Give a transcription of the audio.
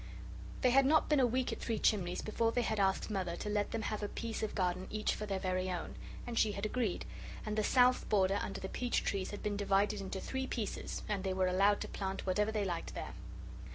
They had not been a week at Three Chimneys before they had asked Mother to let them have a piece of garden each for their very own, and she had agreed, and the south border under the peach trees had been divided into three pieces and they were allowed to plant whatever they liked there.